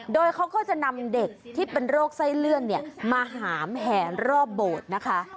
โดยเขาก็จะนำเด็กที่เป็นโรคไส้เลื่อนมาหามแห่รอบโบสถ์นะคะ